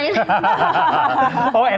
enak banget ya